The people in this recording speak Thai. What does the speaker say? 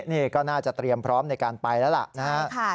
นี่ก็น่าจะเตรียมพร้อมในการไปแล้วล่ะนะครับ